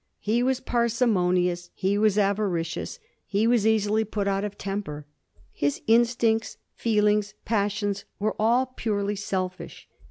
He was parsimonious ; he was avaricious ; he was easily put out of temper. His instincts, feelings, passions, were all purely selfish.